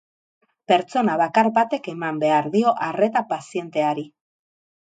Pertsona bakar batek eman behar dio arreta pazienteari.